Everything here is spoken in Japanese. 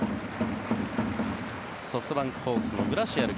ソフトバンクホークスのグラシアル